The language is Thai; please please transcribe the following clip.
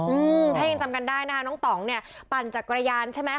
อืมถ้ายังจำกันได้นะคะน้องต่องเนี่ยปั่นจักรยานใช่ไหม